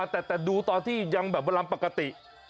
แต่ดูตอนที่ยังแบบเวลาปกติ